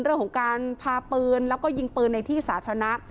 เรื่องของการพาปืนแล้วก็ยิงปืนในที่สาธารณะ